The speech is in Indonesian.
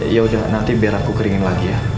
yaudah nanti biar aku keringin lagi ya